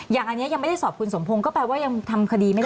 อย่างอันนี้ยังไม่ได้สอบคุณสมพงศ์ก็แปลว่ายังทำคดีไม่ได้